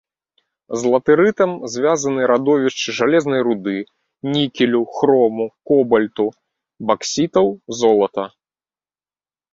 З латэрытам звязаны радовішчы жалезнай руды, нікелю, хрому, кобальту, баксітаў, золата.